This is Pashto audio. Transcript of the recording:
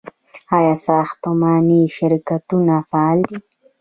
آیا ساختماني شرکتونه فعال دي؟